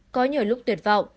có nhiều lúc tuyệt vọng